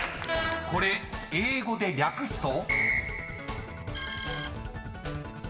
［これ英語で略すと？］